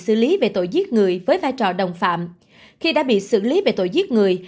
khi đã bị xử lý về tội giết người với vai trò đồng phạm khi đã bị xử lý về tội giết người